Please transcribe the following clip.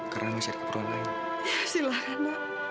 karena masih ada keperluan lain